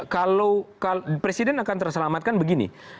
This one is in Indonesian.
kalau presiden akan terselamatkan begini